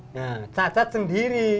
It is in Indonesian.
nah cacat sendiri